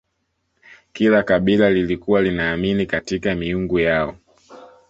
kila kabila lilikuwa linaamini katika miungu yao